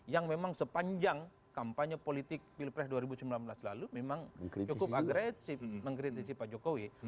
yang memang sepanjang kampanye politik pilpres dua ribu sembilan belas lalu memang cukup agresif mengkritisi pak jokowi